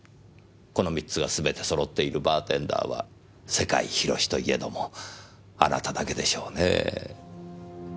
この３つがすべて揃っているバーテンダーは世界広しといえどもあなただけでしょうねぇ。